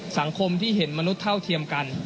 สังคมที่เห็นมนุษย์เท่าเทียมกัน